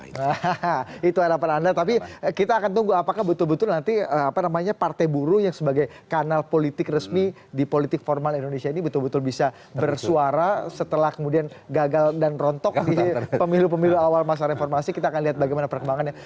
hahaha itu harapan anda tapi kita akan tunggu apakah betul betul nanti apa namanya partai buruh yang sebagai kanal politik resmi di politik formal indonesia ini betul betul bisa bersuara setelah kemudian gagal dan rontok di pemilu pemilu awal masa reformasi kita akan lihat bagaimana perkembangannya